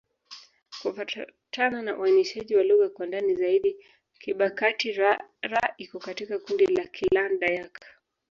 Kufuatana na uainishaji wa lugha kwa ndani zaidi, Kibakati'-Rara iko katika kundi la Kiland-Dayak.